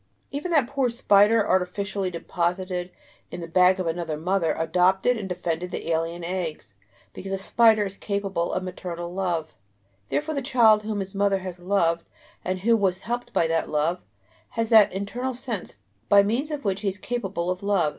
Even that poor spider, artificially deposited in the bag of another mother, adopted and defended the alien eggs, because the spider is capable of maternal love. Therefore the child whom his mother has loved and who was helped by that love, has that "internal sense" by means of which he is capable of love.